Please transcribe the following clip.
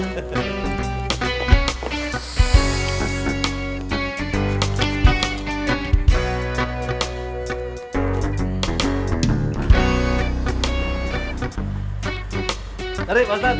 tadi pak ustadz